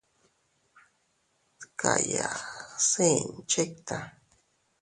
Dkayaasiin chikta.